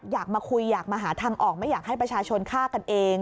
อยากมาคุยอยากมาหาทางออกไม่อยากให้ประชาชนฆ่ากันเอง